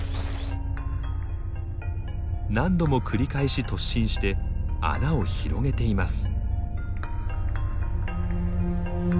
何度も繰り返し突進して穴を広げています。